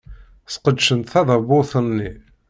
Sqedcent tadabut-nni.